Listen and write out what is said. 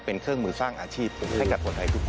เป็นเครื่องมือสร้างอาชีพให้กับคนไทยทุกคน